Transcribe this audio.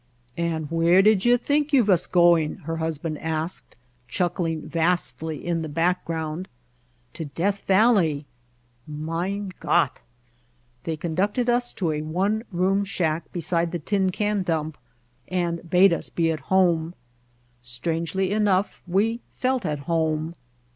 "And where did you think you vas going?" How We Found Mojave her husband asked, chuckling vastly in the back ground. ''To Death Valley." "Mein Gottr' They conducted us to a one room shack beside the tin can dump and bade us be at home. Strangely enough we felt at home.